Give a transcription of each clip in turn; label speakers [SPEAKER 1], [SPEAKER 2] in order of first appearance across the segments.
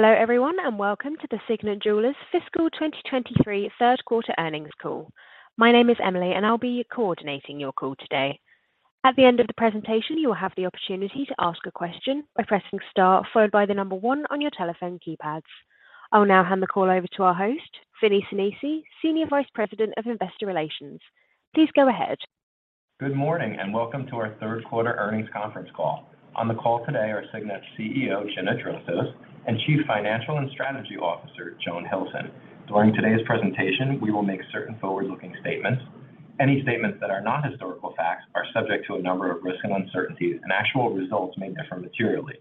[SPEAKER 1] Hello everyone, welcome to the Signet Jewelers fiscal year 2023 third quarter earnings call. My name is Emily, and I'll be coordinating your call today. At the end of the presentation, you will have the opportunity to ask a question by pressing star followed by one on your telephone keypads. I will now hand the call over to our host, Vinnie Sinisi, Senior Vice President of Investor Relations. Please go ahead.
[SPEAKER 2] Good morning, welcome to our third quarter earnings conference call. On the call today are Signet CEO, Gina Drosos, and Chief Financial and Strategy Officer, Joan Hilson. During today's presentation, we will make certain forward-looking statements. Any statements that are not historical facts are subject to a number of risks and uncertainties, and actual results may differ materially.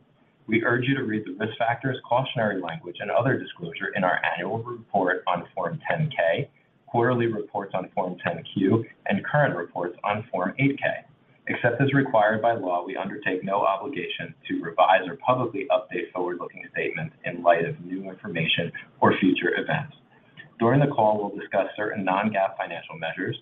[SPEAKER 2] We urge you to read the risk factors, cautionary language and other disclosure in our annual report on Form 10-K, quarterly reports on Form 10-Q, and current reports on Form 8-K. Except as required by law, we undertake no obligation to revise or publicly update forward-looking statements in light of new information or future events. During the call, we'll discuss certain non-GAAP financial measures.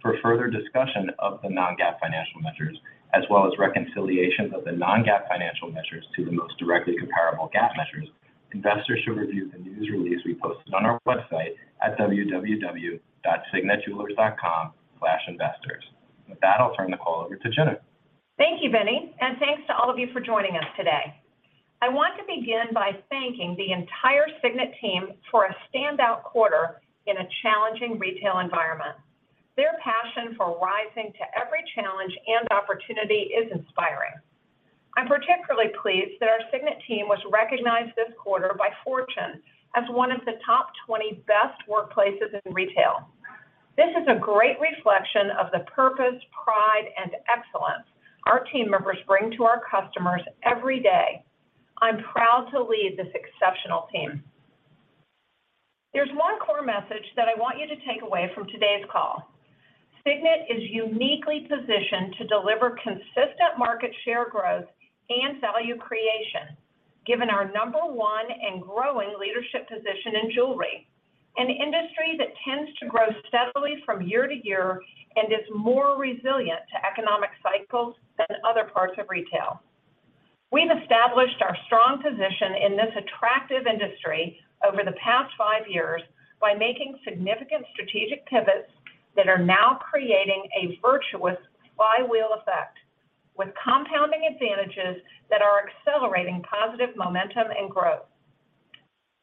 [SPEAKER 2] For further discussion of the non-GAAP financial measures, as well as reconciliation of the non-GAAP financial measures to the most directly comparable GAAP measures, investors should review the news release we posted on our website at www.signetjewelers.com/investors. With that, I'll turn the call over to Gina.
[SPEAKER 3] Thank you, Vinnie, and thanks to all of you for joining us today. I want to begin by thanking the entire Signet team for a standout quarter in a challenging retail environment. Their passion for rising to every challenge and opportunity is inspiring. I'm particularly pleased that our Signet team was recognized this quarter by Fortune as one of the top 20 best workplaces in retail. This is a great reflection of the purpose, pride, and excellence our team members bring to our customers every day. I'm proud to lead this exceptional team. There's one core message that I want you to take away from today's call. Signet is uniquely positioned to deliver consistent market share growth and value creation, given our number one and growing leadership position in jewelry, an industry that tends to grow steadily from year to year and is more resilient to economic cycles than other parts of retail. We've established our strong position in this attractive industry over the past five years by making significant strategic pivots that are now creating a virtuous flywheel effect with compounding advantages that are accelerating positive momentum and growth.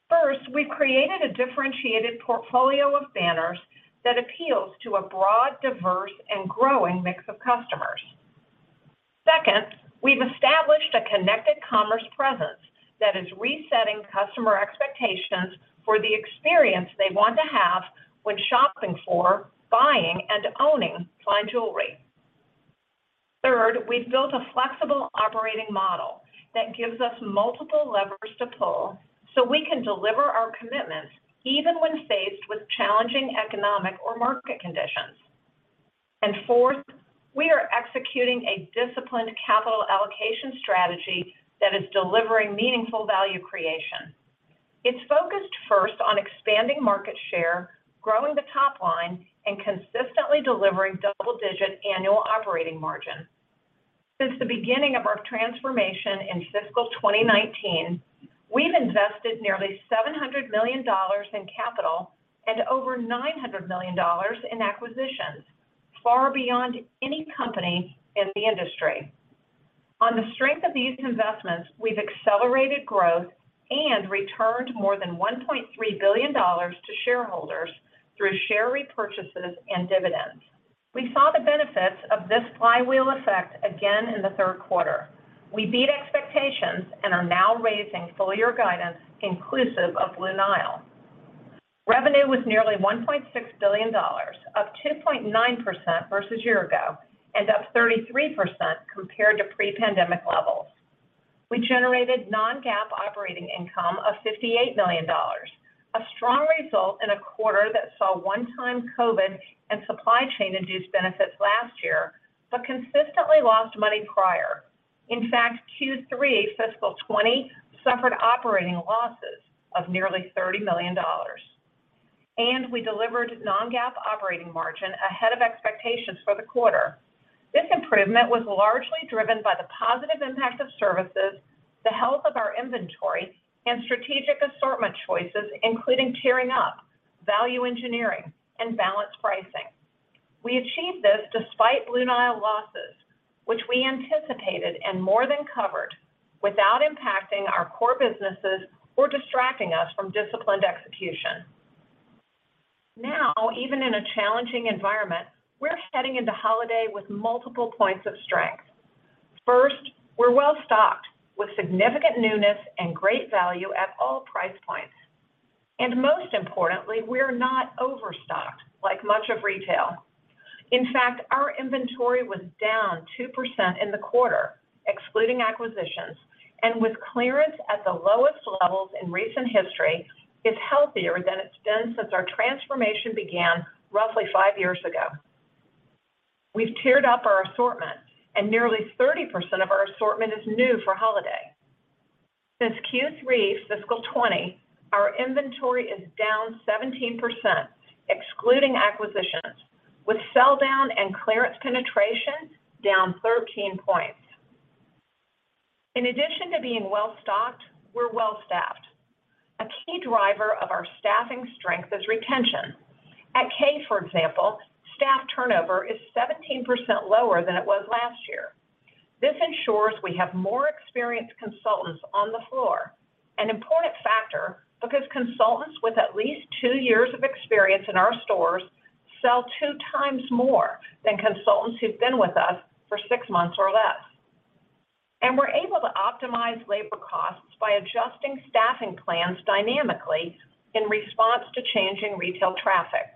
[SPEAKER 3] First, we've created a differentiated portfolio of banners that appeals to a broad, diverse, and growing mix of customers. Second, we've established a Connected Commerce presence that is resetting customer expectations for the experience they want to have when shopping for, buying, and owning fine jewelry. Third, we've built a flexible operating model that gives us multiple levers to pull so we can deliver our commitments even when faced with challenging economic or market conditions. Fourth, we are executing a disciplined capital allocation strategy that is delivering meaningful value creation. It's focused first on expanding market share, growing the top line, and consistently delivering double-digit annual operating margin. Since the beginning of our transformation in fiscal year 2019, we've invested nearly $700 million in capital and over $900 million in acquisitions, far beyond any company in the industry. On the strength of these investments, we've accelerated growth and returned more than $1.3 billion to shareholders through share repurchases and dividends. We saw the benefits of this flywheel effect again in the third quarter. We beat expectations and are now raising full-year guidance inclusive of Blue Nile. Revenue was nearly $1.6 billion, up 2.9% versus year-ago, up 33% compared to pre-pandemic levels. We generated non-GAAP operating income of $58 million, a strong result in a quarter that saw one-time COVID and supply chain-induced benefits last year, consistently lost money prior. In fact, Q3 fiscal year 2020 suffered operating losses of nearly $30 million. We delivered non-GAAP operating margin ahead of expectations for the quarter. This improvement was largely driven by the positive impact of services, the health of our inventory, and strategic assortment choices, including tiering up, value engineering, and balanced pricing. We achieved this despite Blue Nile losses, which we anticipated and more than covered without impacting our core businesses or distracting us from disciplined execution. Even in a challenging environment, we're heading into holiday with multiple points of strength. First, we're well-stocked with significant newness and great value at all price points. Most importantly, we're not overstocked like much of retail. In fact, our inventory was down 2% in the quarter, excluding acquisitions. With clearance at the lowest levels in recent history, it's healthier than it's been since our transformation began roughly five years ago. We've tiered up our assortment, and nearly 30% of our assortment is new for holiday. Since Q3 fiscal year 2020, our inventory is down 17%, excluding acquisitions. With sell down and clearance penetration down 13 points. In addition to being well-stocked, we're well-staffed. A key driver of our staffing strength is retention. At Kay, for example, staff turnover is 17% lower than it was last year. This ensures we have more experienced consultants on the floor. An important factor because consultants with at least two years of experience in our stores sell two times more than consultants who've been with us for six months or less. We're able to optimize labor costs by adjusting staffing plans dynamically in response to changing retail traffic.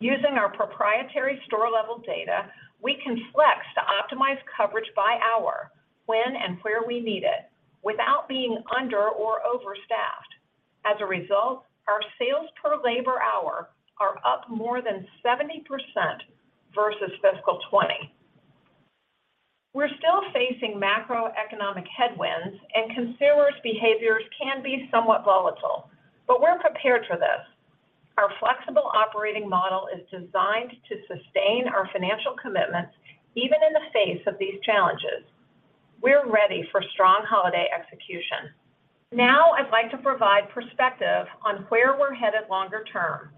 [SPEAKER 3] Using our proprietary store-level data, we can flex to optimize coverage by hour, when and where we need it, without being under or over-staffed. As a result, our sales per labor hour are up more than 70% versus fiscal year 2020. We're still facing macroeconomic headwinds and consumers' behaviors can be somewhat volatile, but we're prepared for this. Our flexible operating model is designed to sustain our financial commitments, even in the face of these challenges. We're ready for strong holiday execution. Now, I'd like to provide perspective on where we're headed longer term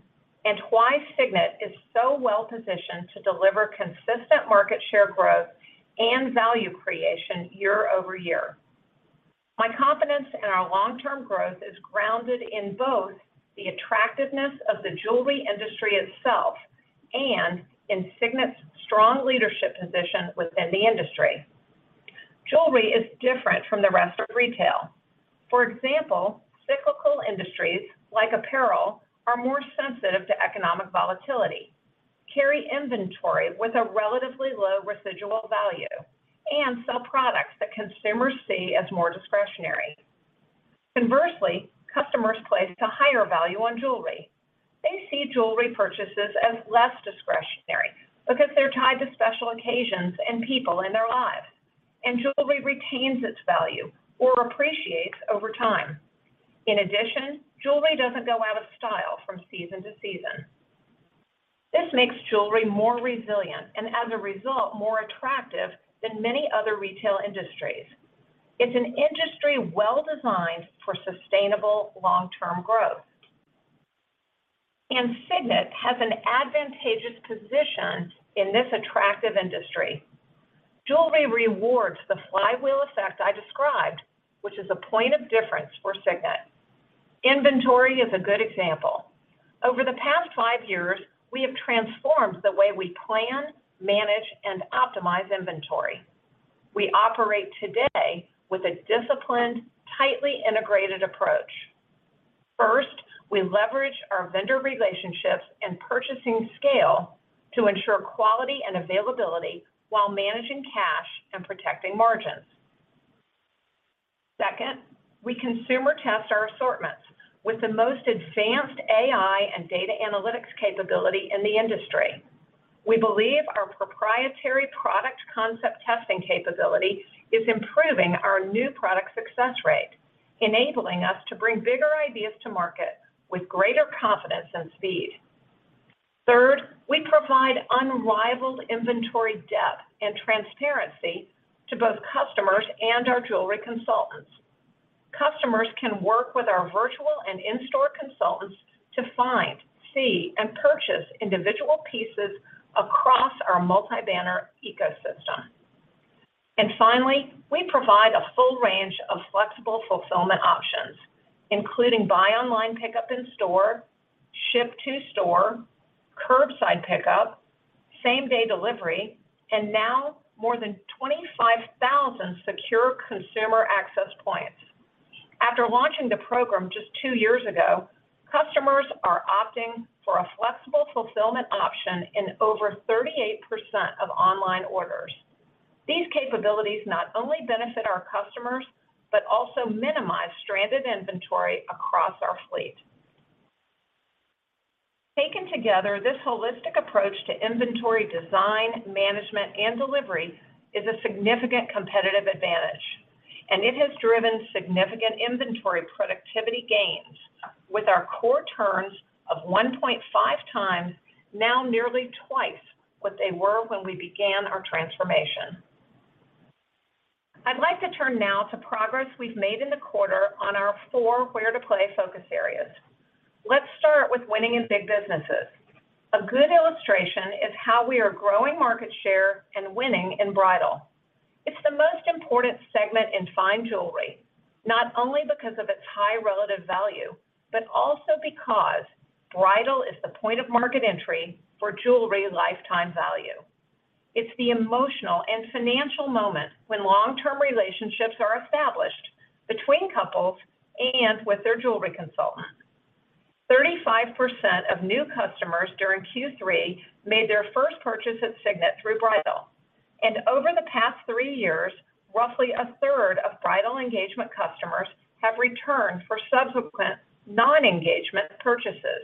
[SPEAKER 3] and why Signet is so well-positioned to deliver consistent market share growth and value creation year-over-year. My confidence in our long-term growth is grounded in both the attractiveness of the jewelry industry itself and in Signet's strong leadership position within the industry. Jewelry is different from the rest of retail. For example, cyclical industries, like apparel, are more sensitive to economic volatility, carry inventory with a relatively low residual value, and sell products that consumers see as more discretionary. Conversely, customers place a higher value on jewelry. They see jewelry purchases as less discretionary because they're tied to special occasions and people in their lives, and jewelry retains its value or appreciates over time. In addition, jewelry doesn't go out of style from season to season. This makes jewelry more resilient, and as a result, more attractive than many other retail industries. It's an industry well-designed for sustainable long-term growth. Signet has an advantageous position in this attractive industry. Jewelry rewards the flywheel effect I described, which is a point of difference for Signet. Inventory is a good example. Over the past five years, we have transformed the way we plan, manage, and optimize inventory. We operate today with a disciplined, tightly integrated approach. First, we leverage our vendor relationships and purchasing scale to ensure quality and availability while managing cash and protecting margins. Second, we consumer test our assortments with the most advanced AI and data analytics capability in the industry. We believe our proprietary product concept testing capability is improving our new product success rate, enabling us to bring bigger ideas to market with greater confidence and speed. Third, we provide unrivaled inventory depth and transparency to both customers and our Jewelry Consultants. Customers can work with our virtual and in-store Jewelry Consultants to find, see, and purchase individual pieces across our multi-banner ecosystem. Finally, we provide a full range of flexible fulfillment options, including buy online pickup in store, ship to store, curbside pickup, same-day delivery, and now more than 25,000 secure consumer access points. After launching the program just two years ago, customers are opting for a flexible fulfillment option in over 38% of online orders. These capabilities not only benefit our customers, but also minimize stranded inventory across our fleet. Taken together, this holistic approach to inventory design, management, and delivery is a significant competitive advantage. It has driven significant inventory productivity gains with our core turns of 1.5x, now nearly twice what they were when we began our transformation. I'd like to turn now to progress we've made in the quarter on our four Where-to-Play focus areas. Let's start with winning in big businesses. A good illustration is how we are growing market share and winning in bridal. It's the most important segment in fine jewelry, not only because of its high relative value, but also because bridal is the point of market entry for jewelry lifetime value. It's the emotional and financial moment when long-term relationships are established between couples and with their Jewelry Consultant. 35% of new customers during Q3 made their first purchase at Signet through bridal. Over the past three years, roughly a third of bridal engagement customers have returned for subsequent non-engagement purchases,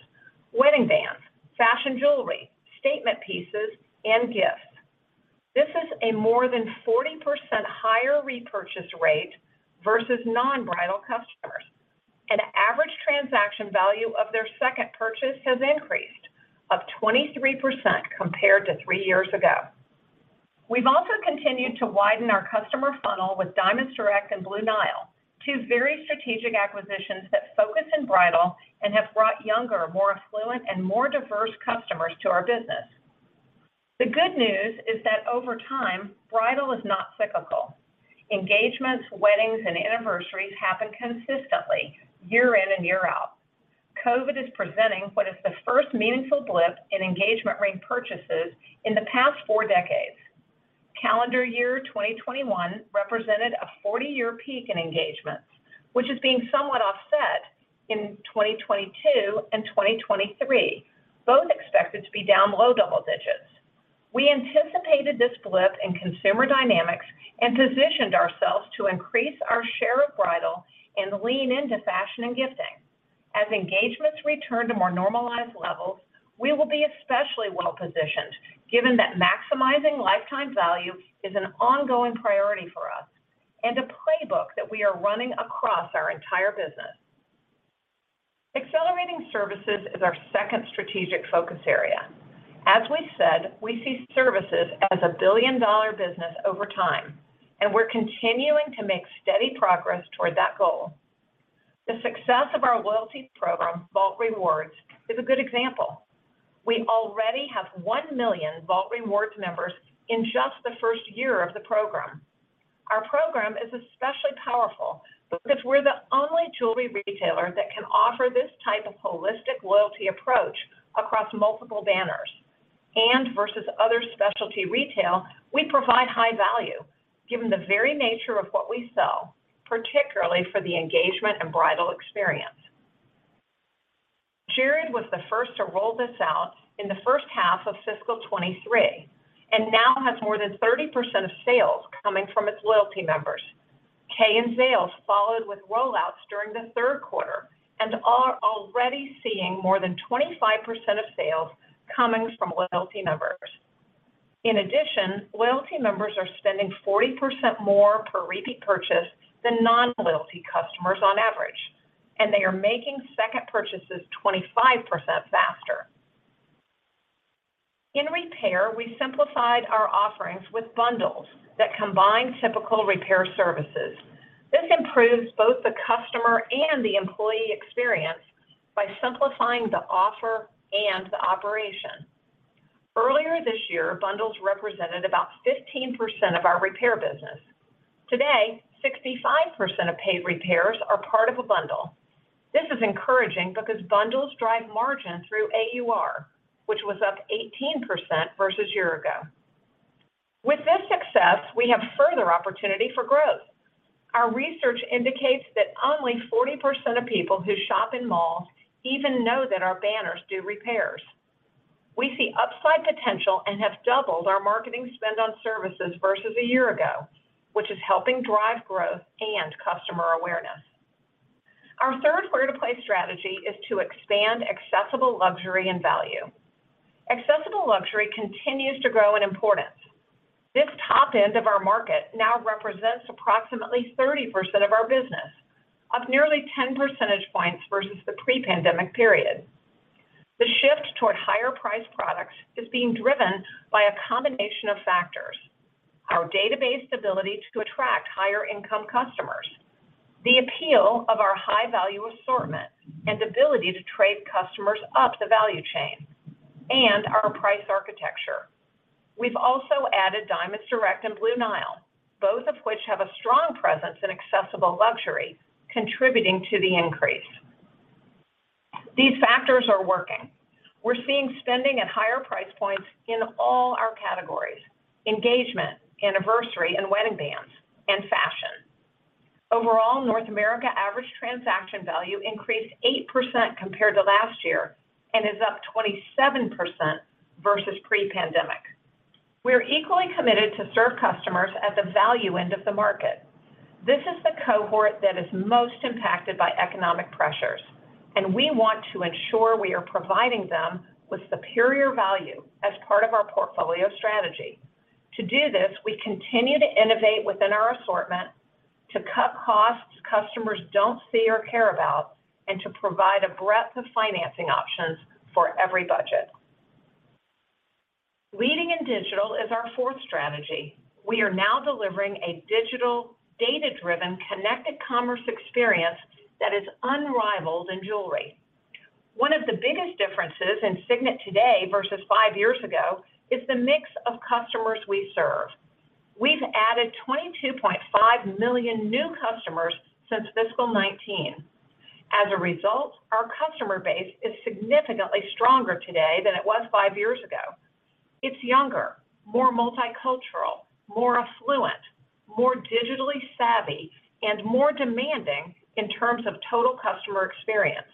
[SPEAKER 3] wedding bands, fashion jewelry, statement pieces, and gifts. This is a more than 40% higher repurchase rate versus non-bridal customers. Average transaction value of their second purchase has increased up 23% compared to three years ago. We've also continued to widen our customer funnel with Diamonds Direct and Blue Nile, two very strategic acquisitions that focus in bridal and have brought younger, more affluent, and more diverse customers to our business. The good news is that over time, bridal is not cyclical. Engagements, weddings, and anniversaries happen consistently year in and year out. COVID is presenting what is the first meaningful blip in engagement ring purchases in the past four decades. Calendar year 2021 represented a 40-year peak in engagements, which is being somewhat offset in 2022 and 2023, both expected to be down low double digits. We anticipated this blip in consumer dynamics and positioned ourselves to increase our share of bridal and lean into fashion and gifting. As engagements return to more normalized levels, we will be especially well-positioned, given that maximizing lifetime value is an ongoing priority for us and a playbook that we are running across our entire business. Accelerating services is our second strategic focus area. As we said, we see services as a billion-dollar business over time, and we're continuing to make steady progress toward that goal. The success of our loyalty program, Vault Rewards, is a good example. We already have one million Vault Rewards members in just the 1st year of the program. Our program is especially powerful because we're the only jewelry retailer that can offer this type of holistic loyalty approach across multiple banners. Versus other specialty retail, we provide high value given the very nature of what we sell, particularly for the engagement and bridal experience. Jared was the first to roll this out in the first half of fiscal year 2023 and now has more than 30% of sales coming from its loyalty members. Kay and Zales followed with rollouts during the third quarter and are already seeing more than 25% of sales coming from loyalty members. In addition, loyalty members are spending 40% more per repeat purchase than non-loyalty customers on average, and they are making second purchases 25% faster. In repair, we simplified our offerings with bundles that combine typical repair services. This improves both the customer and the employee experience by simplifying the offer and the operation. Earlier this year, bundles represented about 15% of our repair business. Today, 65% of paid repairs are part of a bundle. This is encouraging because bundles drive margin through AUR, which was up 18% versus year ago. With this success, we have further opportunity for growth. Our research indicates that only 40% of people who shop in malls even know that our banners do repairs. We see upside potential and have doubled our marketing spend on services versus a year ago, which is helping drive growth and customer awareness. Our third Where-to-Play strategy is to expand accessible luxury and value. Accessible luxury continues to grow in importance. This top end of our market now represents approximately 30% of our business, up nearly 10 percentage points versus the pre-pandemic period. The shift toward higher-priced products is being driven by a combination of factors. Our database ability to attract higher-income customers, the appeal of our high-value assortment and ability to trade customers up the value chain, and our price architecture. We've also added Diamonds Direct and Blue Nile, both of which have a strong presence in accessible luxury contributing to the increase. These factors are working. We're seeing spending at higher price points in all our categories: engagement, anniversary, and wedding bands, and fashion. Overall, North America average transaction value increased 8% compared to last year and is up 27% versus pre-pandemic. We are equally committed to serve customers at the value end of the market. This is the cohort that is most impacted by economic pressures, and we want to ensure we are providing them with superior value as part of our portfolio strategy. To do this, we continue to innovate within our assortment to cut costs customers don't see or care about and to provide a breadth of financing options for every budget. Leading in digital is our fourth strategy. We are now delivering a digital, data-driven, Connected Commerce experience that is unrivaled in jewelry. One of the biggest differences in Signet today versus five years ago is the mix of customers we serve. We've added 22.5 million new customers since fiscal year 2019. As a result, our customer base is significantly stronger today than it was five years ago. It's younger, more multicultural, more affluent, more digitally savvy, and more demanding in terms of total customer experience.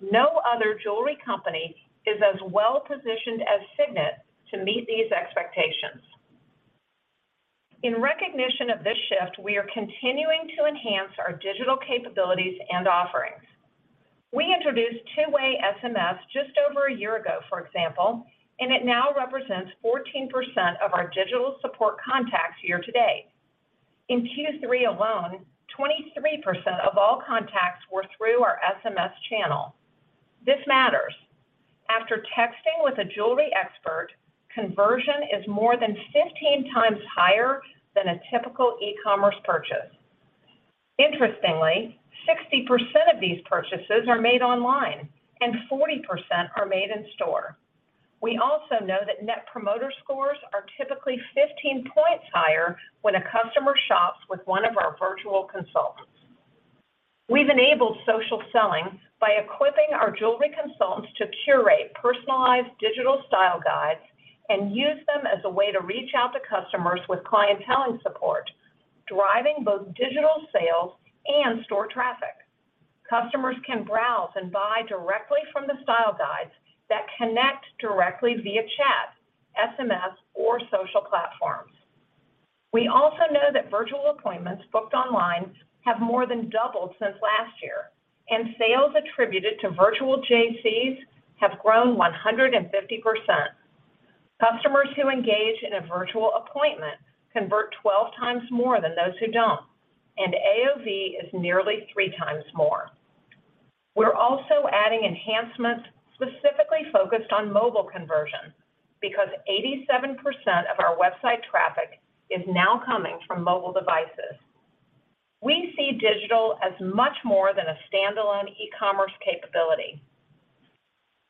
[SPEAKER 3] No other jewelry company is as well-positioned as Signet to meet these expectations. In recognition of this shift, we are continuing to enhance our digital capabilities and offerings. We introduced two-way SMS just over a year ago, for example. It now represents 14% of our digital support contacts year to date. In Q3 alone, 23% of all contacts were through our SMS channel. This matters. After texting with a jewelry expert, conversion is more than 15 times higher than a typical e-commerce purchase. Interestingly, 60% of these purchases are made online and 40% are made in-store. We also know that net promoter scores are typically 15 points higher when a customer shops with one of our virtual consultants. We've enabled social selling by equipping our Jewelry Consultants to curate personalized digital style guides and use them as a way to reach out to customers with clienteling support, driving both digital sales and store traffic. Customers can browse and buy directly from the style guides that connect directly via chat, SMS, or social platforms. We also know that virtual appointments booked online have more than doubled since last year, and sales attributed to virtual JCs have grown 150%. Customers who engage in a virtual appointment convert 12 times more than those who don't, and AOV is nearly three times more. We're also adding enhancements specifically focused on mobile conversion because 87% of our website traffic is now coming from mobile devices. We see digital as much more than a standalone e-commerce capability.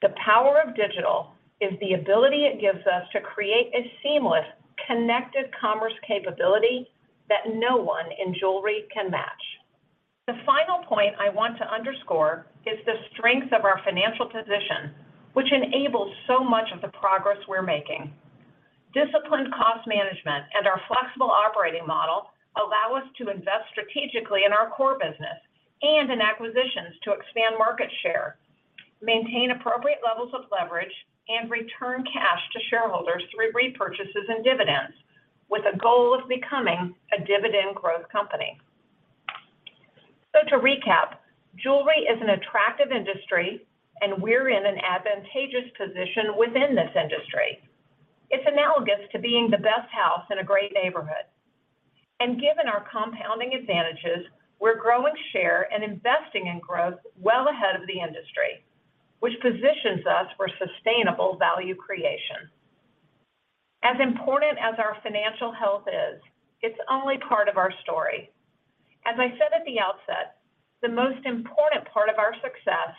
[SPEAKER 3] The power of digital is the ability it gives us to create a seamless, Connected Commerce capability that no one in jewelry can match. The final point I want to underscore is the strength of our financial position, which enables so much of the progress we're making. Disciplined cost management and our flexible operating model allow us to invest strategically in our core business and in acquisitions to expand market share, maintain appropriate levels of leverage, and return cash to shareholders through repurchases and dividends with a goal of becoming a dividend growth company. To recap, jewelry is an attractive industry and we're in an advantageous position within this industry. It's analogous to being the best house in a great neighborhood. Given our compounding advantages, we're growing share and investing in growth well ahead of the industry, which positions us for sustainable value creation. As important as our financial health is, it's only part of our story. As I said at the outset, the most important part of our success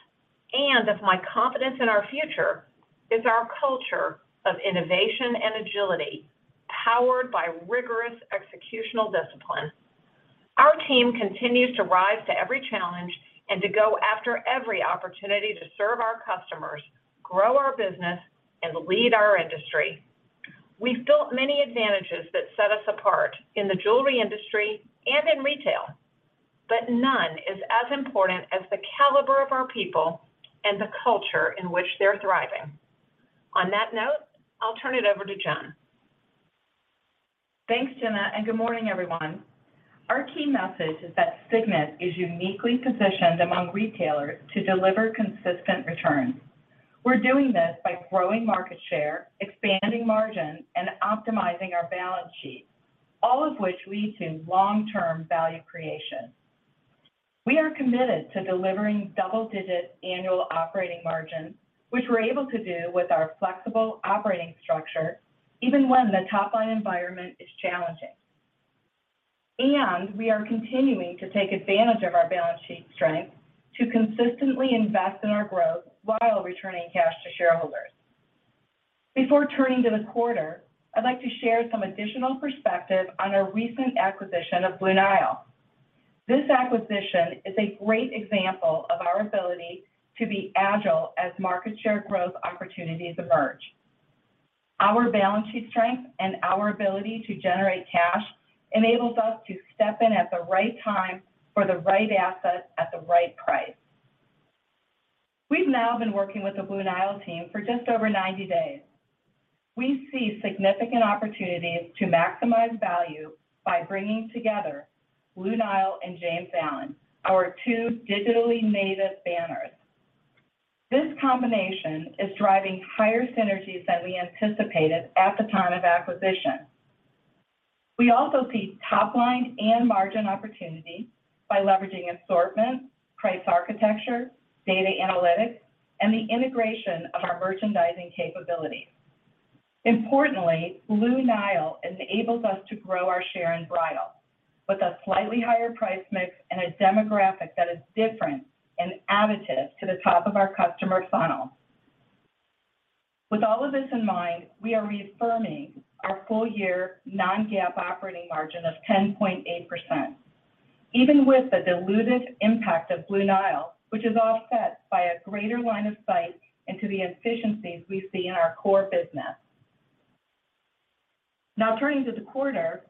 [SPEAKER 3] and of my confidence in our future is our culture of innovation and agility, powered by rigorous executional discipline. Our team continues to rise to every challenge and to go after every opportunity to serve our customers, grow our business, and lead our industry. We've built many advantages that set us apart in the jewelry industry and in retail, but none is as important as the caliber of our people and the culture in which they're thriving. On that note, I'll turn it over to Joan.
[SPEAKER 4] Thanks, Gina, good morning, everyone. Our key message is that Signet is uniquely positioned among retailers to deliver consistent returns. We're doing this by growing market share, expanding margin, and optimizing our balance sheet, all of which lead to long-term value creation. We are committed to delivering double-digit annual operating margin, which we're able to do with our flexible operating structure even when the top-line environment is challenging. We are continuing to take advantage of our balance sheet strength to consistently invest in our growth while returning cash to shareholders. Before turning to the quarter, I'd like to share some additional perspective on our recent acquisition of Blue Nile. This acquisition is a great example of our ability to be agile as market share growth opportunities emerge. Our balance sheet strength and our ability to generate cash enables us to step in at the right time for the right asset at the right price. We've now been working with the Blue Nile team for just over 90 days. We see significant opportunities to maximize value by bringing together Blue Nile and James Allen, our two digitally native banners. This combination is driving higher synergies than we anticipated at the time of acquisition. We also see top-line and margin opportunities by leveraging assortment, price architecture, data analytics, and the integration of our merchandising capabilities. Importantly, Blue Nile enables us to grow our share in bridal with a slightly higher price mix and a demographic that is different and additive to the top of our customer funnel. With all of this in mind, we are reaffirming our full-year non-GAAP operating margin of 10.8%, even with the dilutive impact of Blue Nile, which is offset by a greater line of sight into the efficiencies we see in our core business. Turning to the quarter,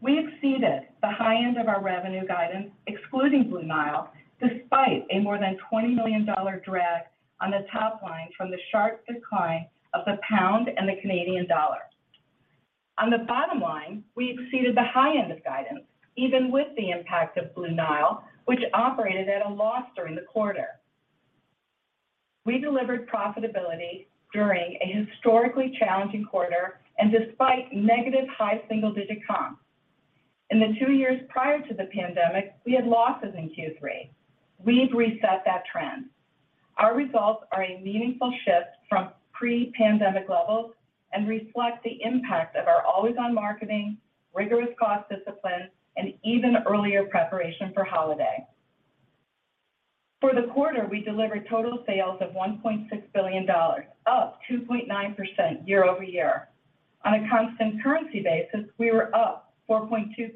[SPEAKER 4] we exceeded the high end of our revenue guidance, excluding Blue Nile, despite a more than $20 million drag on the top line from the sharp decline of the British pound and the Canadian dollar. On the bottom line, we exceeded the high end of guidance, even with the impact of Blue Nile, which operated at a loss during the quarter. We delivered profitability during a historically challenging quarter and despite negative high single-digit comps. In the two years prior to the pandemic, we had losses in Q3. We've reset that trend. Our results are a meaningful shift from pre-pandemic levels and reflect the impact of our always-on marketing, rigorous cost discipline, and even earlier preparation for holiday. For the quarter, we delivered total sales of $1.6 billion, up 2.9% year-over-year. On a constant currency basis, we were up 4.2%.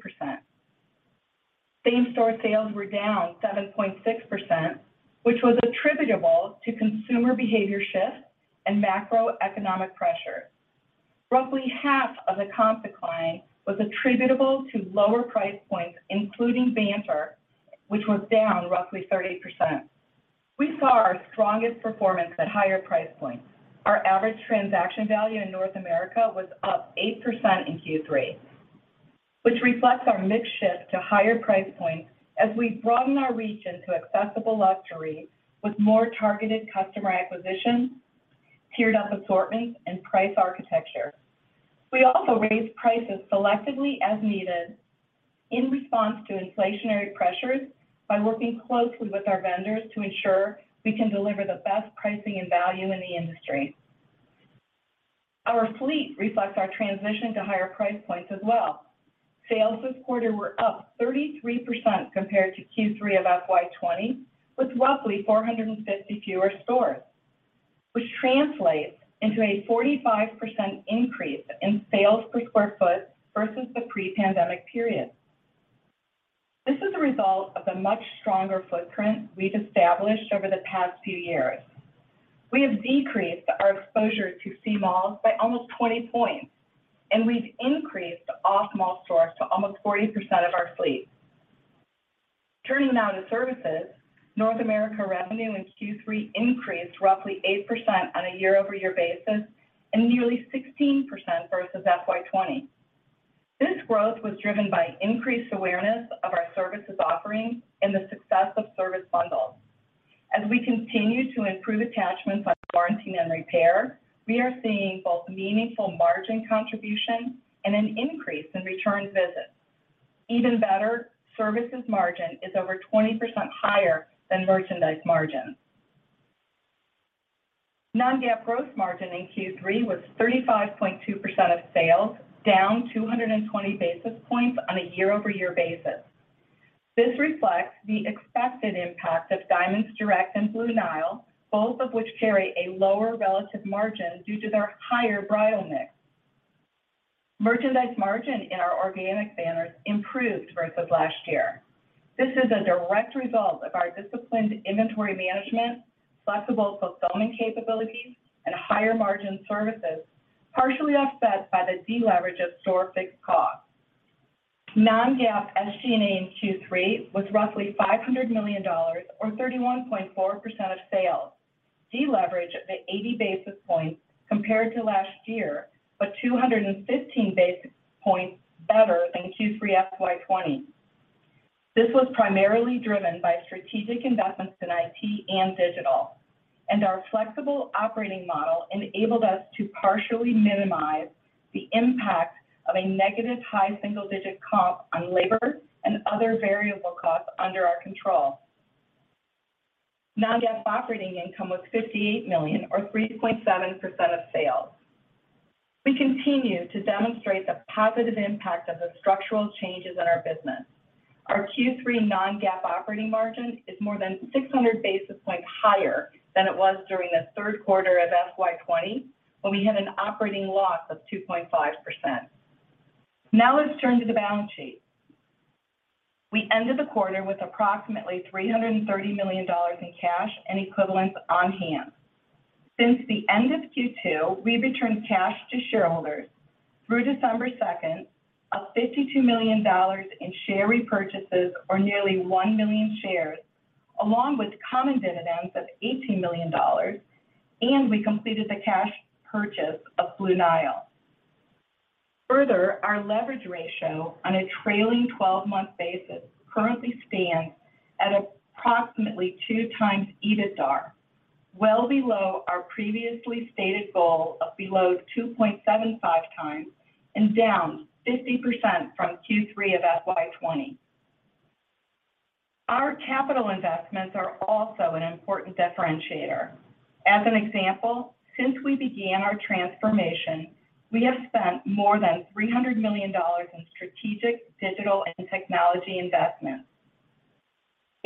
[SPEAKER 4] Same-store sales were down 7.6%, which was attributable to consumer behavior shifts and macroeconomic pressure. Roughly half of the comp decline was attributable to lower price points, including Banter, which was down roughly 30%. We saw our strongest performance at higher price points. Our average transaction value in North America was up 8% in Q3, which reflects our mix shift to higher price points as we broaden our reach into accessible luxury with more targeted customer acquisition, tiered up assortments, and price architecture. We also raised prices selectively as needed in response to inflationary pressures by working closely with our vendors to ensure we can deliver the best pricing and value in the industry. Our fleet reflects our transition to higher price points as well. Sales this quarter were up 33% compared to Q3 of FY 2020, with roughly 450 fewer stores, which translates into a 45% increase in sales per square foot versus the pre-pandemic period. This is a result of the much stronger footprint we've established over the past few years. We have decreased our exposure to C malls by almost 20 points, and we've increased off-mall stores to almost 40% of our fleet. Turning now to services, North America revenue in Q3 increased roughly 8% on a year-over-year basis and nearly 16% versus FY 2020. This growth was driven by increased awareness of our services offerings and the success of service bundles. As we continue to improve attachments on warranty and repair, we are seeing both meaningful margin contribution and an increase in return visits. Even better, services margin is over 20% higher than merchandise margin. Non-GAAP gross margin in Q3 was 35.2% of sales, down 220 basis points on a year-over-year basis. This reflects the expected impact of Diamonds Direct and Blue Nile, both of which carry a lower relative margin due to their higher bridal mix. Merchandise margin in our organic banners improved versus last year. This is a direct result of our disciplined inventory management, flexible fulfilling capabilities, and higher margin services, partially offset by the deleverage of store fixed costs. Non-GAAP SG&A in Q3 was roughly $500 million, or 31.4% of sales, deleveraged at 80 basis points compared to last year, but 215 basis points better than Q3 FY 2020. This was primarily driven by strategic investments in IT and digital, and our flexible operating model enabled us to partially minimize the impact of a negative high single-digit comp on labor and other variable costs under our control. Non-GAAP operating income was $58 million or 3.7% of sales. We continue to demonstrate the positive impact of the structural changes in our business. Our Q3 non-GAAP operating margin is more than 600 basis points higher than it was during the third quarter of FY 2020 when we had an operating loss of 2.5%. Let's turn to the balance sheet. We ended the quarter with approximately $330 million in cash and equivalents on hand. Since the end of Q2, we've returned cash to shareholders through December 2 of $52 million in share repurchases or nearly one million shares, along with common dividends of $18 million. We completed the cash purchase of Blue Nile. Further, our leverage ratio on a trailing twelve-month basis currently stands at approximately 2x EBITDAR, well below our previously stated goal of below 2.75x and down 50% from Q3 of FY 2020. Our capital investments are also an important differentiator. As an example, since we began our transformation, we have spent more than $300 million in strategic digital and technology investments.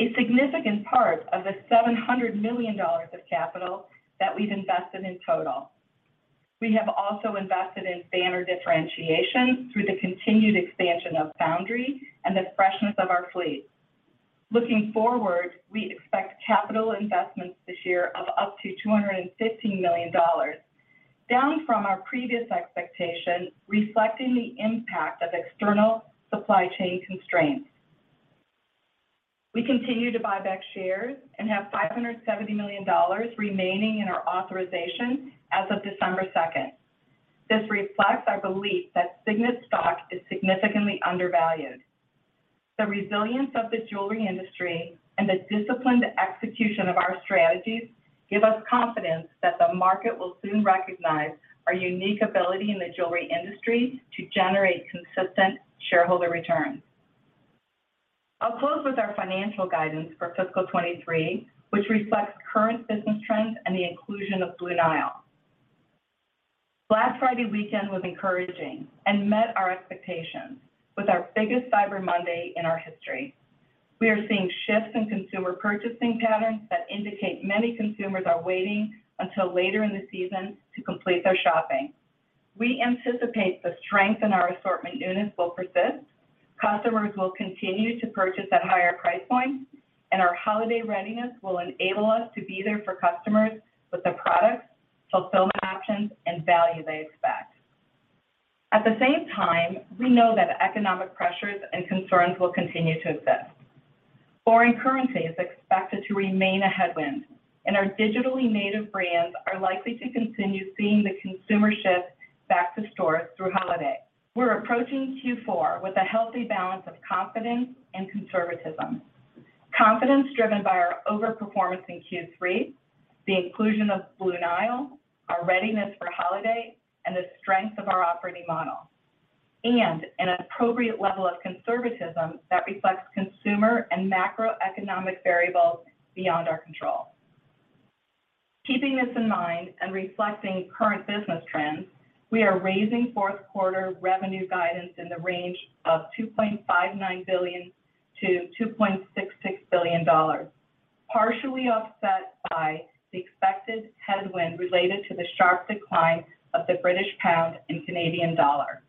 [SPEAKER 4] A significant part of the $700 million of capital that we've invested in total. We have also invested in banner differentiation through the continued expansion of Foundry and the freshness of our fleet. Looking forward, we expect capital investments this year of up to $250 million, down from our previous expectation, reflecting the impact of external supply chain constraints. We continue to buy back shares and have $570 million remaining in our authorization as of December 2nd. This reflects our belief that Signet stock is significantly undervalued. The resilience of the jewelry industry and the disciplined execution of our strategies give us confidence that the market will soon recognize our unique ability in the jewelry industry to generate consistent shareholder returns. I'll close with our financial guidance for fiscal year 2023, which reflects current business trends and the inclusion of Blue Nile. Black Friday weekend was encouraging and met our expectations with our biggest Cyber Monday in our history. We are seeing shifts in consumer purchasing patterns that indicate many consumers are waiting until later in the season to complete their shopping. We anticipate the strength in our assortment units will persist, customers will continue to purchase at higher price points, and our holiday readiness will enable us to be there for customers with the products, fulfillment options, and value they expect. At the same time, we know that economic pressures and concerns will continue to exist. Foreign currency is expected to remain a headwind, and our digitally native brands are likely to continue seeing the consumer shift back to stores through holiday. We're approaching Q4 with a healthy balance of confidence and conservatism. Confidence driven by our overperformance in Q3, the inclusion of Blue Nile, our readiness for holiday, and the strength of our operating model. An appropriate level of conservatism that reflects consumer and macroeconomic variables beyond our control. Keeping this in mind and reflecting current business trends, we are raising fourth quarter revenue guidance in the range of $2.59 billion-$2.66 billion, partially offset by the expected headwind related to the sharp decline of the British pound and Canadian dollar.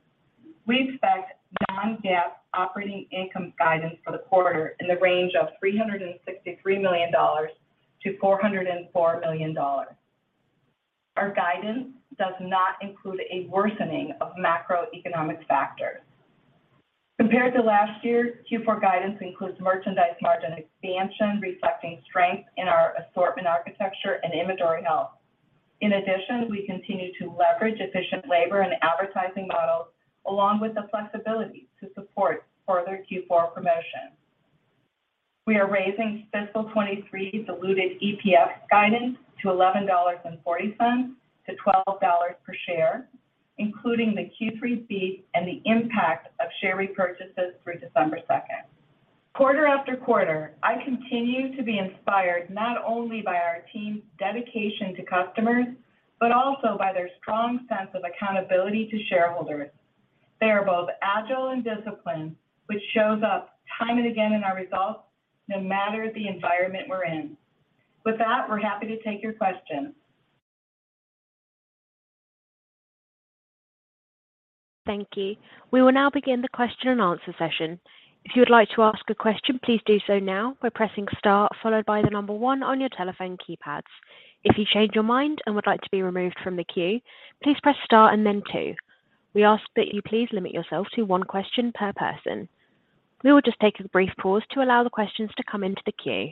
[SPEAKER 4] We expect non-GAAP operating income guidance for the quarter in the range of $363 million-$404 million. Our guidance does not include a worsening of macroeconomic factors. Compared to last year, Q4 guidance includes merchandise margin expansion reflecting strength in our assortment architecture and inventory health. We continue to leverage efficient labor and advertising models along with the flexibility to support further Q4 promotions. We are raising fiscal year 2023 diluted EPS guidance to $11.40 to $12 per share, including the Q3 fee and the impact of share repurchases through December second. Quarter after quarter, I continue to be inspired not only by our team's dedication to customers, but also by their strong sense of accountability to shareholders. They are both agile and disciplined, which shows up time and again in our results, no matter the environment we're in. We're happy to take your questions.
[SPEAKER 1] Thank you. We will now begin the question and answer session. If you would like to ask a question, please do so now by pressing star followed by one on your telephone keypads. If you change your mind and would like to be removed from the queue, please press star and then two. We ask that you please limit yourself to one question per person. We will just take a brief pause to allow the questions to come into the queue.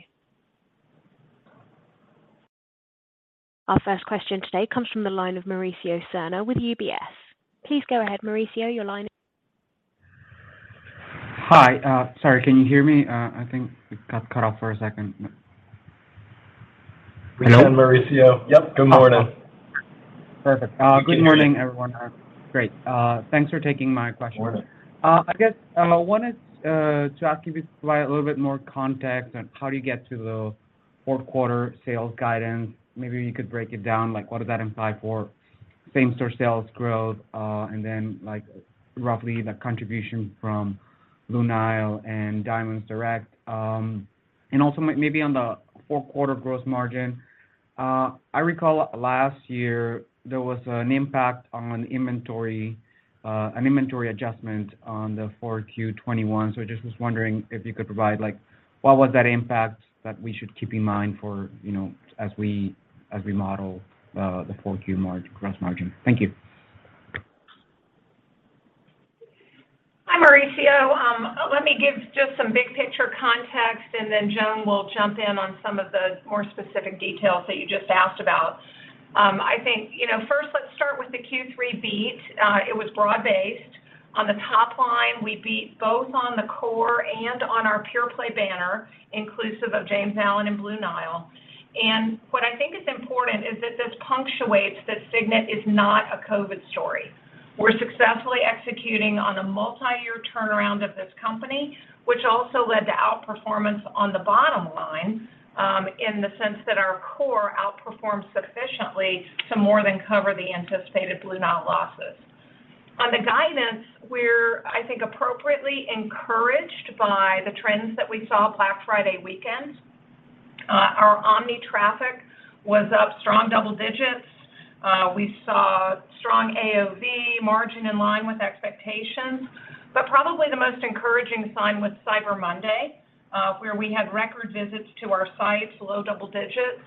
[SPEAKER 1] Our first question today comes from the line of Mauricio Serna with UBS. Please go ahead, Mauricio. Your line is.
[SPEAKER 5] Hi. sorry, can you hear me? I think we got cut off for a second. Hello.
[SPEAKER 2] We can, Mauricio. Yep, good morning.
[SPEAKER 5] Perfect. good morning everyone. Great. thanks for taking my question.
[SPEAKER 2] Good morning.
[SPEAKER 5] I guess, wanted to ask you to provide a little bit more context on how do you get to the fourth quarter sales guidance. Maybe you could break it down, like what does that imply for same-store sales growth, and then like roughly the contribution from Blue Nile and Diamonds Direct. And also maybe on the fourth quarter gross margin, I recall last year there was an impact on inventory, an inventory adjustment on the 4Q 2021. I just was wondering if you could provide like what was that impact that we should keep in mind for, you know, as we, as we model, the 4Q gross margin. Thank you.
[SPEAKER 3] Hi, Mauricio. Let me give just some big picture context, then Joan will jump in on some of the more specific details that you just asked about. I think, you know, first let's start with the Q3 beat. It was broad-based. On the top line, we beat both on the core and on our pure play banner, inclusive of James Allen and Blue Nile. What I think is important is that this punctuates that Signet is not a COVID story. We're successfully executing on a multi-year turnaround of this company, which also led to outperformance on the bottom line, in the sense that our core outperformed sufficiently to more than cover the anticipated Blue Nile losses. On the guidance, we're, I think, appropriately encouraged by the trends that we saw Black Friday weekend. Our omni traffic was up strong double digits. We saw strong AOV margin in line with expectations. Probably the most encouraging sign was Cyber Monday, where we had record visits to our sites, low double digits,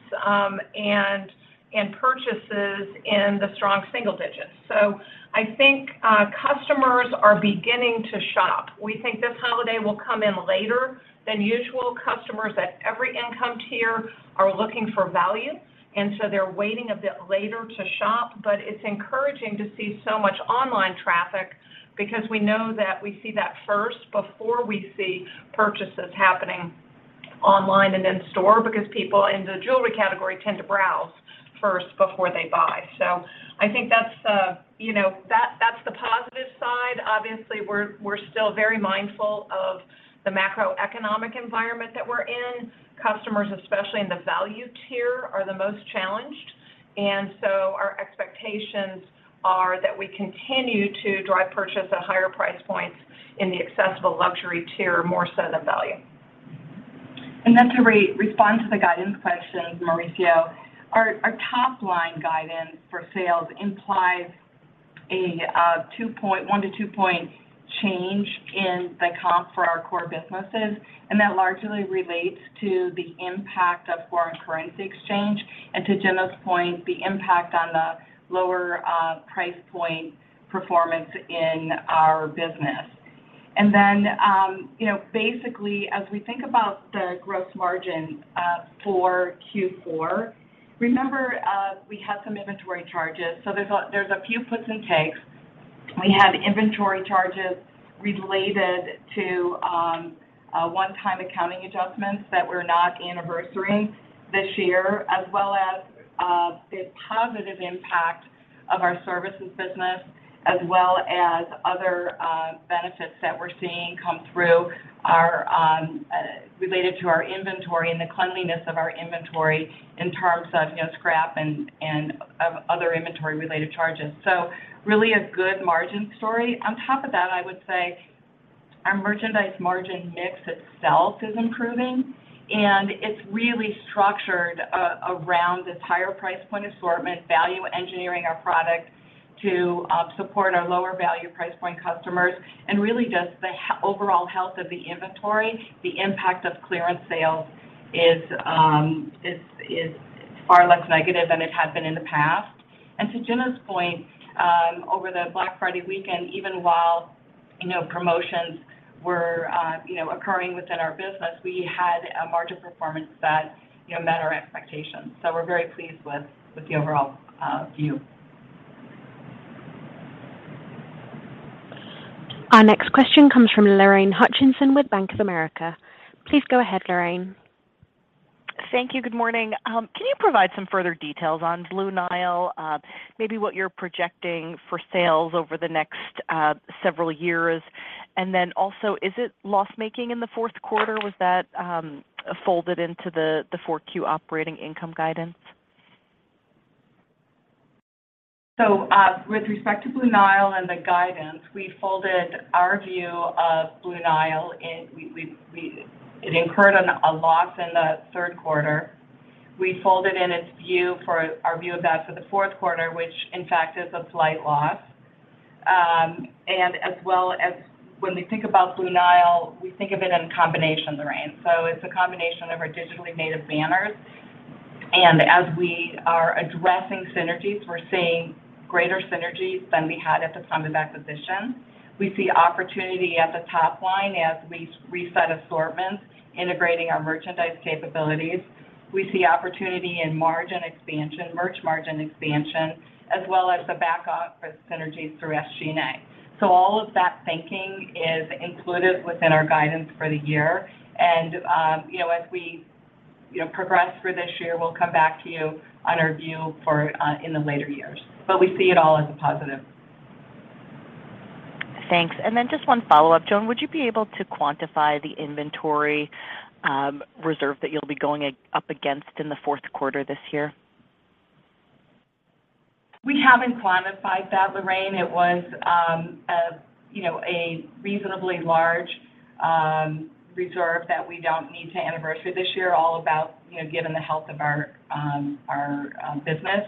[SPEAKER 3] and purchases in the strong single digits. I think customers are beginning to shop. We think this holiday will come in later than usual. Customers at every income tier are looking for value. They're waiting a bit later to shop, but it's encouraging to see so much online traffic because we know that we see that first before we see purchases happening online and in store because people in the jewelry category tend to browse first before they buy. I think that's the positive side. Obviously, we're still very mindful of the macroeconomic environment that we're in. Customers, especially in the value tier, are the most challenged. Our expectations are that we continue to drive purchase at higher price points in the accessible luxury tier more so than value.
[SPEAKER 4] To respond to the guidance questions, Mauricio, our top line guidance for sales implies a 1%-2% change in the comp for our core businesses, and that largely relates to the impact of foreign currency exchange and to Gina's point, the impact on the lower price point performance in our business. you know, basically, as we think about the gross margin for Q4, remember, we had some inventory charges. There's a few puts and takes. We had inventory charges related to one-time accounting adjustments that we're not anniversarying this year, as well as the positive impact of our services business, as well as other benefits that we're seeing come through are related to our inventory and the cleanliness of our inventory in terms of, you know, scrap and of other inventory related charges. Really a good margin story. On top of that, I would say our merchandise margin mix itself is improving, and it's really structured around this higher price point assortment, value engineering our product to support our lower value price point customers, and really just the overall health of the inventory. The impact of clearance sales is far less negative than it has been in the past. To Gina's point, over the Black Friday weekend, even while, you know, promotions were, you know, occurring within our business, we had a margin performance that, you know, met our expectations. We're very pleased with the overall view.
[SPEAKER 1] Our next question comes from Lorraine Hutchinson with Bank of America. Please go ahead, Lorraine.
[SPEAKER 6] Thank you. Good morning. Can you provide some further details on Blue Nile, maybe what you're projecting for sales over the next several years? Also, is it loss-making in the fourth quarter? Was that folded into the 4Q operating income guidance?
[SPEAKER 4] With respect to Blue Nile and the guidance, we folded our view of Blue Nile in. It incurred on a loss in the third quarter. We folded in our view of that for the fourth quarter, which in fact is a slight loss. As well as when we think about Blue Nile, we think of it in combination, Lorraine. It's a combination of our digitally native banners. As we are addressing synergies, we're seeing greater synergies than we had at the time of acquisition. We see opportunity at the top line as we reset assortments, integrating our merchandise capabilities. We see opportunity in margin expansion, merch margin expansion, as well as the back office synergies through SG&A. All of that thinking is included within our guidance for the year. You know, as we, you know, progress through this year, we'll come back to you on our view for, in the later years. We see it all as a positive.
[SPEAKER 6] Thanks. Just one follow-up, Joan. Would you be able to quantify the inventory, reserve that you'll be going up against in the fourth quarter this year?
[SPEAKER 4] We haven't quantified that, Lorraine. It was a, you know, a reasonably large reserve that we don't need to anniversary this year, all about, you know, given the health of our business.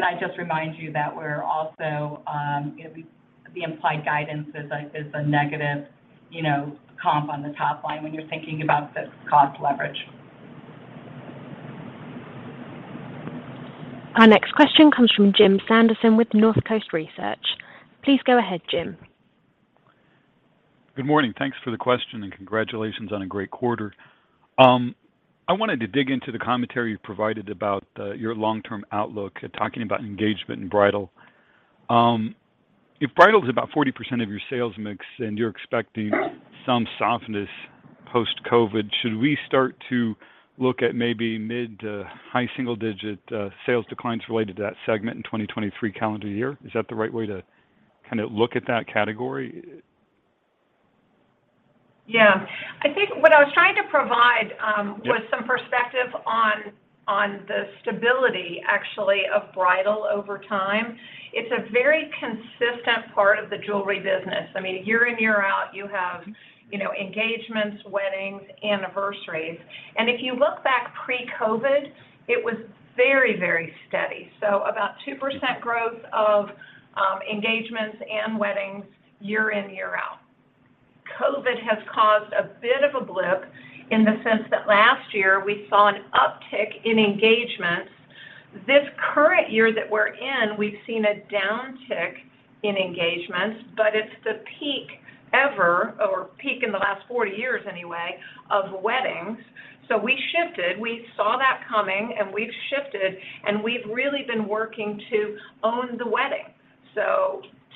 [SPEAKER 4] I just remind you that we're also, you know, the implied guidance is, like, a negative, you know, comp on the top line when you're thinking about the cost leverage.
[SPEAKER 1] Our next question comes from Jim Sanderson with Northcoast Research. Please go ahead, Jim.
[SPEAKER 7] Good morning. Thanks for the question. Congratulations on a great quarter. I wanted to dig into the commentary you provided about your long-term outlook, talking about engagement in bridal. If bridal is about 40% of your sales mix and you're expecting some softness post-COVID, should we start to look at maybe mid-to-high single-digit sales declines related to that segment in 2023 calendar year? Is that the right way to kinda look at that category?
[SPEAKER 3] Yeah. I think what I was trying to provide.
[SPEAKER 7] Yep. Was some perspective on the stability actually of bridal over time. It's a very consistent part of the jewelry business. I mean, year in, year out, you have, you know, engagements, weddings, anniversaries. If you look back pre-COVID, it was very, very steady. About 2% growth of engagements and weddings year in, year out. COVID has caused a bit of a blip in the sense that last year we saw an uptick in engagements. This current year that we're in, we've seen a downtick in engagements, but it's the peak ever, or peak in the last 40 years anyway, of weddings. We shifted. We saw that coming, and we've shifted, and we've really been working to own the wedding.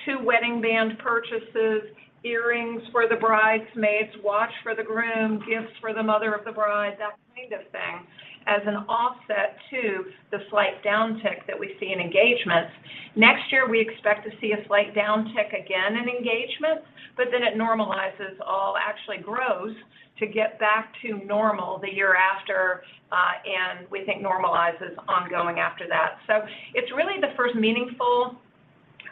[SPEAKER 3] Two wedding band purchases, earrings for the bridesmaids, watch for the groom, gifts for the mother of the bride, that kind of thing, as an offset to the slight down tick that we see in engagements. Next year, we expect to see a slight down tick again in engagements, but then it normalizes, or actually grows to get back to normal the year after, and we think normalizes ongoing after that. It's really the first meaningful,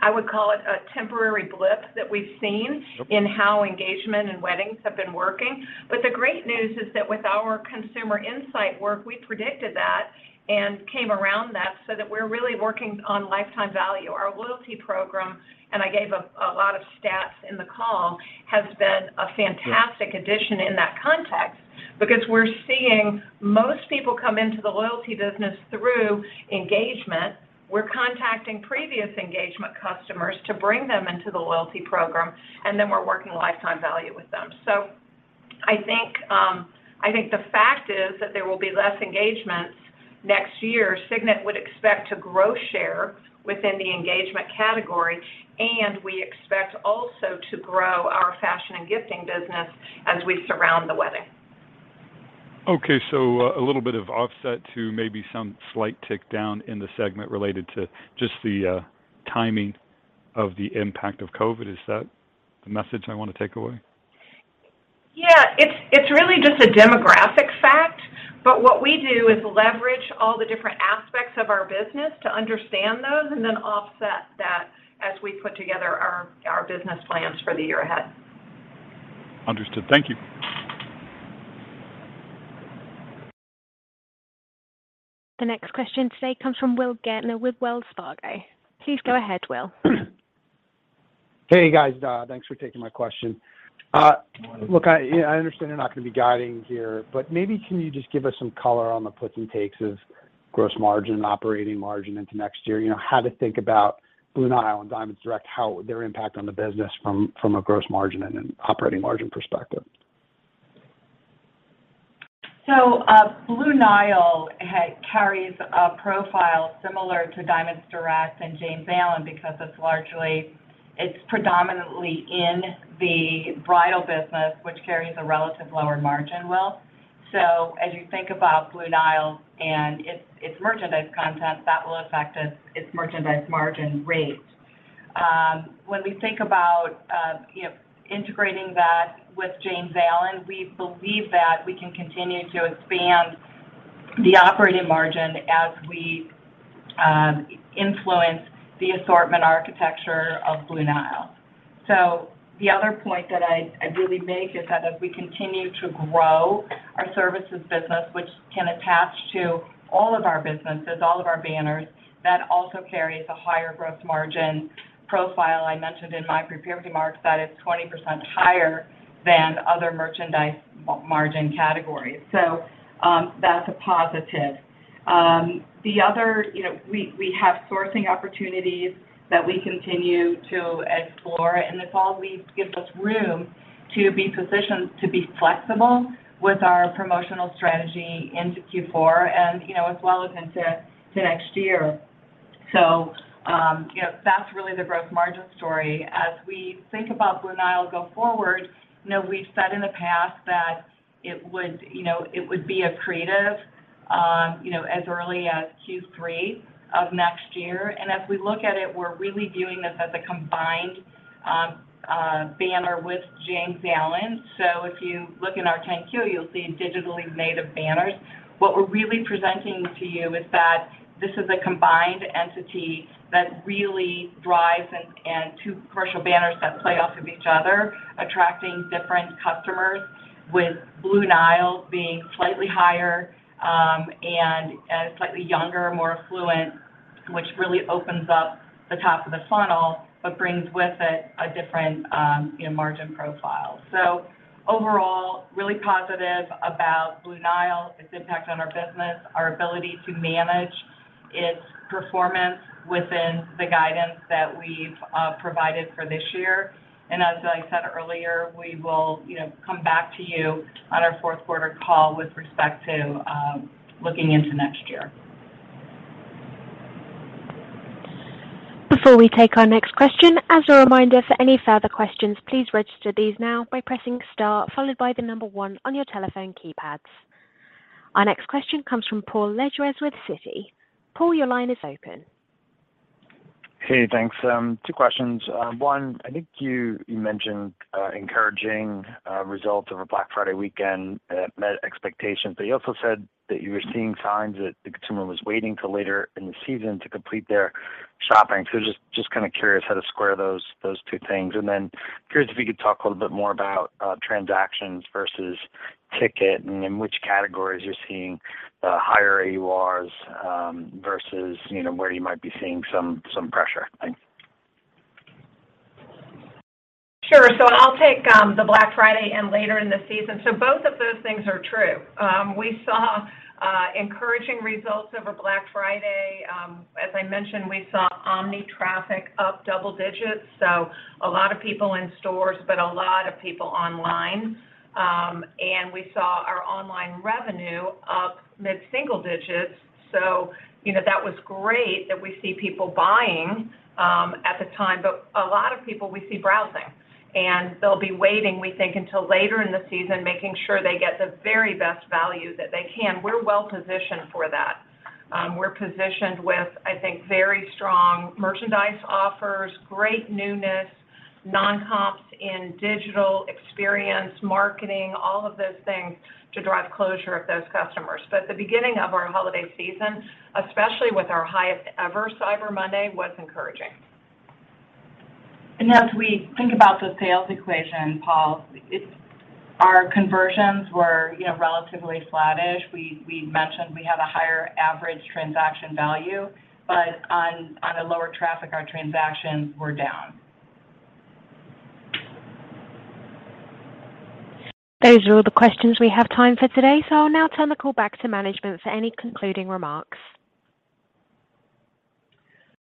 [SPEAKER 3] I would call it a temporary blip that we've seen.
[SPEAKER 7] Okay.
[SPEAKER 3] In how engagement and weddings have been working. The great news is that with our consumer insight work, we predicted that and came around that so that we're really working on lifetime value. Our loyalty program, I gave a lot of stats in the call, has been a fantastic-
[SPEAKER 7] Yes.
[SPEAKER 3] Addition in that context because we're seeing most people come into the loyalty business through engagement. We're contacting previous engagement customers to bring them into the loyalty program, and then we're working lifetime value with them. I think the fact is that there will be less engagements next year. Signet would expect to grow share within the engagement category, and we expect also to grow our fashion and gifting business as we surround the wedding.
[SPEAKER 7] A little bit of offset to maybe some slight tick down in the segment related to just the timing of the impact of COVID. Is that the message I wanna take away?
[SPEAKER 3] Yeah. It's really just a demographic fact. What we do is leverage all the different aspects of our business to understand those and then offset that as we put together our business plans for the year ahead.
[SPEAKER 7] Understood. Thank you.
[SPEAKER 1] The next question today comes from Will Gaertner with Wells Fargo. Please go ahead, Will.
[SPEAKER 8] Hey, guys. Thanks for taking my question. Look, I understand you're not gonna be guiding here, but maybe can you just give us some color on the puts and takes of gross margin and operating margin into next year? You know, how to think about Blue Nile and Diamonds Direct, how their impact on the business from a gross margin and an operating margin perspective?
[SPEAKER 4] Blue Nile carries a profile similar to Diamonds Direct and James Allen because it's largely. It's predominantly in the bridal business, which carries a relative lower margin, Will. As you think about Blue Nile and its merchandise content, that will affect its merchandise margin rate. When we think about, you know, integrating that with James Allen, we believe that we can continue to expand the operating margin as we influence the assortment architecture of Blue Nile. The other point that I'd really make is that as we continue to grow our services business, which can attach to all of our businesses, all of our banners, that also carries a higher gross margin profile. I mentioned in my prepared remarks that it's 20% higher than other merchandise margin categories. That's a positive. The other, you know, we have sourcing opportunities that we continue to explore, and the fall week gives us room to be positioned to be flexible with our promotional strategy into Q4 and, you know, as well as into next year. You know, that's really the gross margin story. As we think about Blue Nile go forward, you know, we've said in the past that it would be accretive, you know, as early as Q3 of next year. As we look at it, we're really viewing this as a combined banner with James Allen. If you look in our 10-Q, you'll see digitally native banners. What we're really presenting to you is that this is a combined entity that really drives and two commercial banners that play off of each other, attracting different customers, with Blue Nile being slightly higher, and slightly younger, more affluent, which really opens up the top of the funnel, but brings with it a different, you know, margin profile. Overall, really positive about Blue Nile, its impact on our business, our ability to manage its performance within the guidance that we've provided for this year. As I said earlier, we will, you know, come back to you on our fourth quarter call with respect to looking into next year.
[SPEAKER 1] Before we take our next question, as a reminder for any further questions, please register these now by pressing star followed by the number one on your telephone keypads. Our next question comes from Paul Lejuez with Citi. Paul, your line is open.
[SPEAKER 9] Hey, thanks. Two questions. One, I think you mentioned encouraging results over Black Friday weekend, met expectations. You also said that you were seeing signs that the consumer was waiting till later in the season to complete their shopping. Just kinda curious how to square those two things. Then curious if you could talk a little bit more about transactions versus ticket and in which categories you're seeing higher AURs versus, you know, where you might be seeing some pressure. Thanks.
[SPEAKER 3] Sure. I'll take the Black Friday and later in the season. Both of those things are true. We saw encouraging results over Black Friday. As I mentioned, we saw omni traffic up double digits, so a lot of people in stores, but a lot of people online. We saw our online revenue up mid-single digits, so, you know, that was great that we see people buying at the time. A lot of people we see browsing, and they'll be waiting, we think, until later in the season, making sure they get the very best value that they can. We're well-positioned for that. We're positioned with, I think, very strong merchandise offers, great newness, non-comps in digital experience, marketing, all of those things to drive closure of those customers. At the beginning of our holiday season, especially with our highest-ever Cyber Monday, was encouraging.
[SPEAKER 4] As we think about the sales equation, Paul, our conversions were, you know, relatively flattish. We mentioned we have a higher average transaction value, but on a lower traffic, our transactions were down.
[SPEAKER 1] Those are all the questions we have time for today, so I'll now turn the call back to management for any concluding remarks.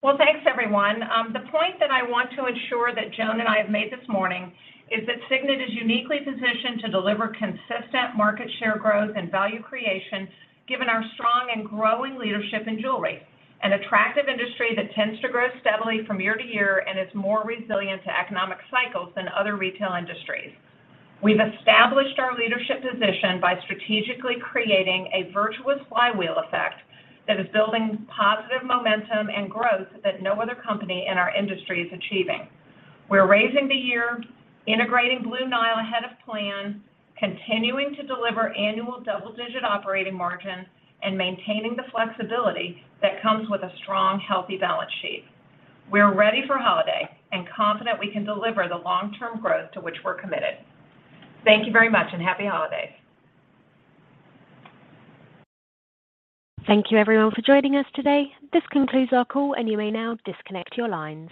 [SPEAKER 3] Well, thanks, everyone. The point that I want to ensure that Joan and I have made this morning is that Signet is uniquely positioned to deliver consistent market share growth and value creation, given our strong and growing leadership in jewelry, an attractive industry that tends to grow steadily from year to year and is more resilient to economic cycles than other retail industries. We've established our leadership position by strategically creating a virtuous flywheel effect that is building positive momentum and growth that no other company in our industry is achieving. We're raising the year, integrating Blue Nile ahead of plan, continuing to deliver annual double-digit operating margin, and maintaining the flexibility that comes with a strong, healthy balance sheet. We're ready for holiday and confident we can deliver the long-term growth to which we're committed. Thank you very much, happy holidays.
[SPEAKER 1] Thank you everyone for joining us today. This concludes our call, and you may now disconnect your lines.